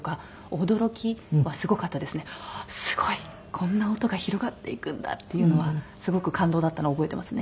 こんな音が広がっていくんだっていうのはすごく感動だったのは覚えてますね。